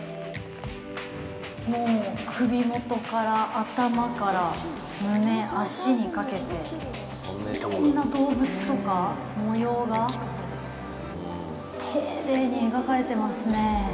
もう首元から頭から胸、足にかけていろんな動物とか模様が丁寧に描かれてますね。